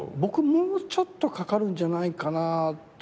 もうちょっとかかるんじゃないかなって思う。